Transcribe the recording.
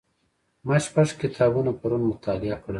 ما شپږ کتابونه پرون مطالعه کړل.